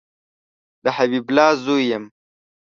د حبیب الله زوی یم